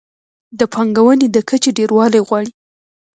د پانګونې د کچې ډېروالی غواړي.